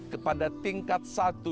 kepada tingkat satu dua tiga empat lima